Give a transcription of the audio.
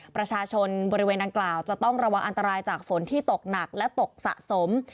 ประชาชนบริเวณดังกล่าวจะต้องระวังอันตรายจากฝนที่ตกหนักและตกสะสม